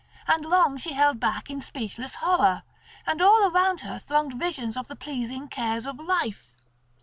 And long she held back in speechless horror, and all around her thronged visions of the pleasing cares of life.